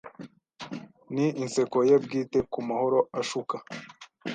ni inseko ye bwite kumahoro ashuka